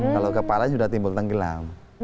lalu kepalanya sudah timbul tenggelam